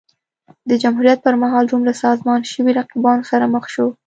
د جمهوریت پرمهال روم له سازمان شویو رقیبانو سره مخ شو